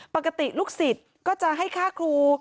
ปกติลูกศิษย์ก็จะให้ค่าครู